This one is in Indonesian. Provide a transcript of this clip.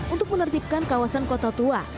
untuk menertibkan kawasan kota tua